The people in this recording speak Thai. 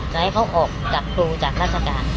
จะให้เขาออกจากครูจากราชการ